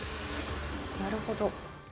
なるほど。